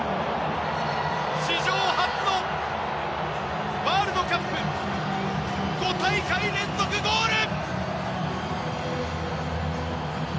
史上初のワールドカップ５大会連続ゴール！